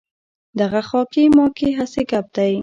دغه خاکې ماکې هسې ګپ دی.